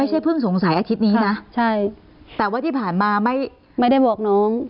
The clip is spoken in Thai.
เพิ่งสงสัยอาทิตย์นี้นะใช่แต่ว่าที่ผ่านมาไม่ได้บอกน้อง